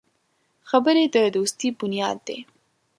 خبرې د دوستي بنیاد دی